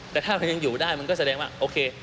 แต่ถ้ามันยังอยู่ได้มันก็แสดงว่าโอเค